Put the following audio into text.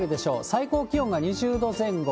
最高気温が２０度前後。